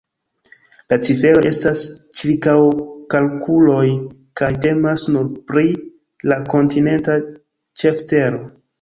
La ciferoj estas ĉirkaŭkalkuloj kaj temas nur pri la kontinenta ĉeftero.